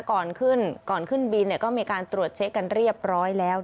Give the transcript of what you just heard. ก่อนขึ้นก่อนขึ้นบินก็มีการตรวจเช็คกันเรียบร้อยแล้ว